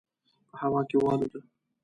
په هوا کې والوته.